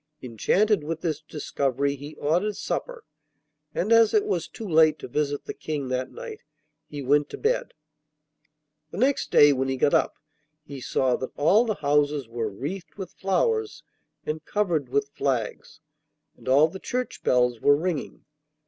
Enchanted with this discovery, he ordered supper, and as it was too late to visit the King that night he went to bed. The next day, when he got up, he saw that all the houses were wreathed with flowers and covered with flags, and all the church bells were ringing.